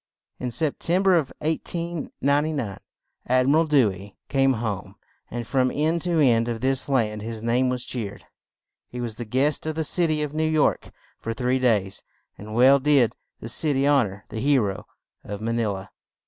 In Sep tem ber of 1899 Ad mi ral Dew ey came home; and from end to end of this land his name was cheered. He was the guest of the cit y of New York for three days; and well did the cit y hon or the he ro of Ma ni la.